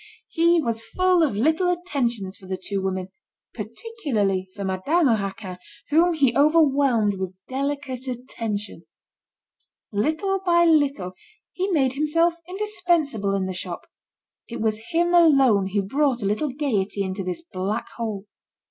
He was full of little attentions for the two women, particularly for Madame Raquin, whom he overwhelmed with delicate attention. Little by little he made himself indispensable in the shop; it was him alone who brought a little gaiety into this black hole.